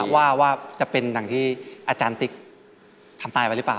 ว่าจะเป็นอย่างที่อาจารย์ติ๊กทำตายไปหรือเปล่า